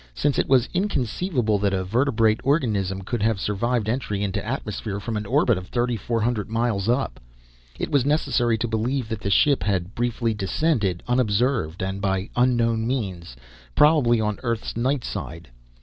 Since it was inconceivable that a vertebrate organism could have survived entry into atmosphere from an orbit 3400 miles up, it was necessary to believe that the ship had briefly descended, unobserved and by unknown means, probably on Earth's night side.